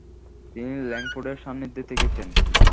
তিনি ল্যাংফোর্ডের সান্নিধ্যে থেকেছেন।